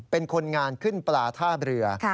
เป็นคนงานขึ้นปลาท่าเรือ